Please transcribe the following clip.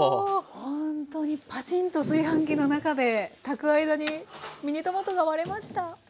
ほんとにパチンと炊飯器の中で炊く間にミニトマトが割れました。